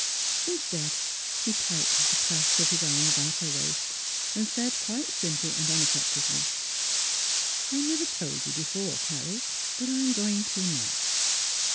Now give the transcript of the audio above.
In stead he tightened the clasp of his arm about her waist and said quite simply and unaffectedly, " I never told you before, Carrie, but I'm going to now.